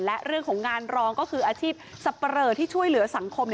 และเรื่องของงานรองก็คืออาชีพสับปะเลอที่ช่วยเหลือสังคม